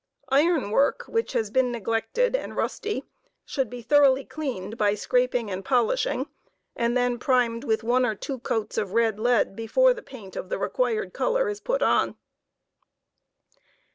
Iron work which has been neglected and rusty should be thoroughly cleaned by scraping and xjolishing, and then primed with one or two coats of red lead before the paint of the required color is put on.